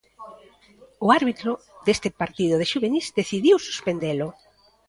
O árbitro deste partido de xuvenís decidiu suspendelo.